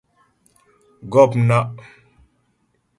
Gɔ̂pnaʼ.